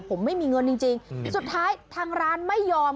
ผมไม่มีเงินจริงสุดท้ายทางร้านไม่ยอม